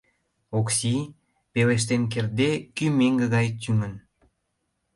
Окси, пелештен кертде, кӱ меҥге гай тӱҥын.